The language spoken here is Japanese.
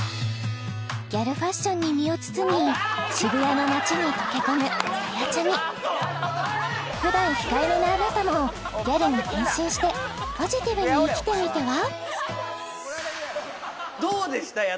ギャルファッションに身を包み渋谷の街に溶け込むさやちゃみふだん控えめなあなたもギャルに変身してポジティブに生きてみては？